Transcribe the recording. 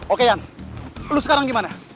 oke ian lu sekarang dimana